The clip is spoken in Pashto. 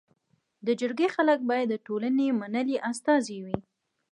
د جرګي خلک باید د ټولني منلي استازي وي.